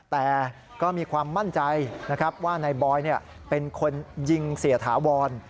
แต่ก็มีความมั่นใจนะครับว่านายบอยเป็นคนยิงเสียถาวร